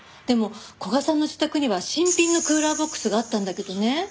でも古賀さんの自宅には新品のクーラーボックスがあったんだけどね。